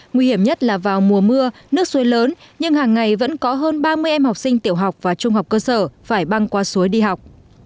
nguy hiểm nhất là vào mùa mưa nước suối lớn nhưng hàng ngày vẫn có hơn ba mươi em học sinh tiểu học và trung học cơ sở phải băng qua suối đi học